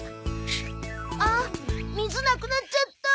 あっ水なくなっちゃった。